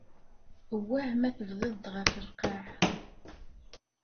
Wah ma tebdiḍ-d ɣef lqaɛ?